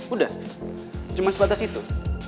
udah cuma sebatas itu